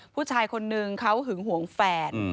ผู้ชายคนนึงเขาหึงหวงแฟน